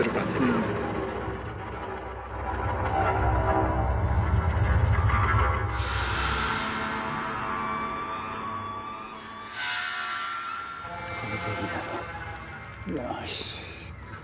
よし！